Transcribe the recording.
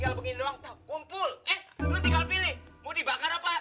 ya kan sih